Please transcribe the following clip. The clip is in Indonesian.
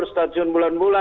ada di stasiun bulan bulan